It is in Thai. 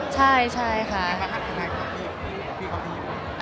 ใช่ใช่ค่ะ